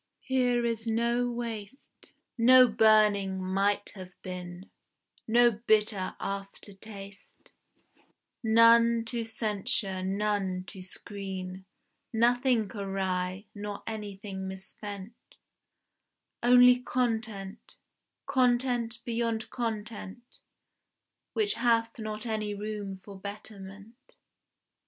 Here is no waste, No burning Might have been, No bitter after taste, None to censure, none to screen, Nothing awry, nor anything misspent; Only content, content beyond content, Which hath not any room for betterment.